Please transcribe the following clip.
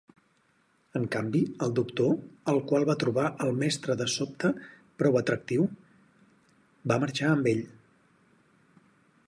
En canvi, el Doctor, el qual va trobar el Mestre de sobte prou atractiu, va marxar amb ell.